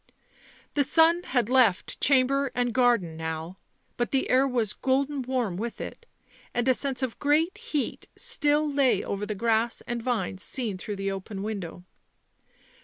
The sun had left chamber and garden now, but the air was golden warm with it, and a sense of great heat still lay over the grass and vines seen through the open window.